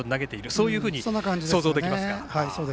そういうふうに想像できますか。